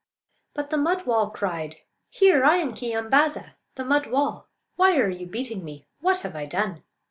But the mud wall cried: "Here! I am Keeyambaa'za, the mud wall. Why are you beating me? What have I done?"